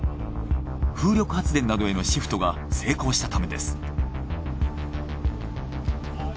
風力発電などへのシフトが成功したためです。